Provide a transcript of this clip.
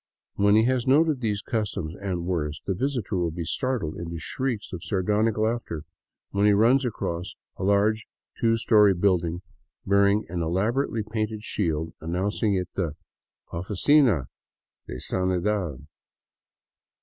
When he has noted these customs and worse, the visitor will be startled into shrieks of sardonic laughter when he runs across a large two story building bearing an elaborately painted s'hield announcing it the *' Oficina de Sanidad."